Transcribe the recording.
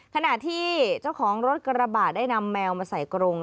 ขณะที่เจ้าของรถกระบะได้นำแมวมาใส่กรง